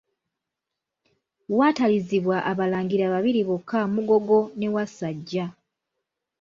Waatalizibwa abalangira babiri bokka Mugogo ne Wassajja.